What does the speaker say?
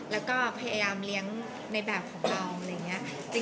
แล้วก็พยายามเลี้ยงในแบบของเรา